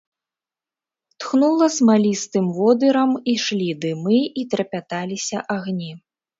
Тхнула смалістым водырам, ішлі дымы, і трапяталіся агні.